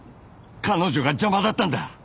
彼女が邪魔だったんだ。